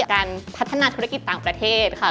การพัฒนาธุรกิจต่างประเทศค่ะ